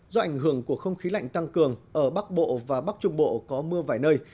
do ảnh hưởng của không khí lạnh tăng cường ở bắc bộ và bắc trung bộ có mưa vài nơi